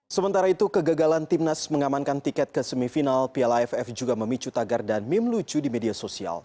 sementara itu kegagalan timnas mengamankan tiket ke semifinal piala aff juga memicu tagar dan meme lucu di media sosial